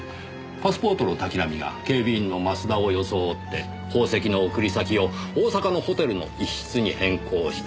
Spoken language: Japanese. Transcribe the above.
パスポートの滝浪が警備員の増田を装って宝石の送り先を大阪のホテルの一室に変更した。